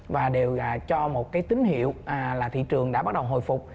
và đều cho một cái tín hiệu là thị trường đã bắt đầu hồi phục